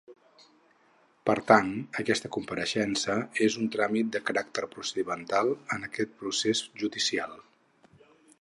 Per tant, aquesta compareixença és un tràmit de caràcter procedimental en aquest procés judicial.